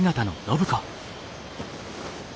暢子！